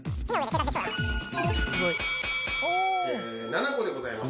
７個でございます。